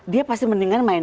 dia pasti mendingan mengejar